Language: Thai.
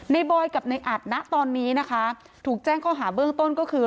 บอยกับในอัดนะตอนนี้นะคะถูกแจ้งข้อหาเบื้องต้นก็คือ